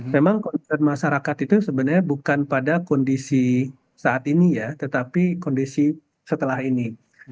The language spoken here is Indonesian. memang kondisi masyarakat itu sebenarnya bukan pada kondisi saat ini ya tetapi kondisi setelah ini